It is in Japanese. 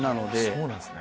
そうなんですね。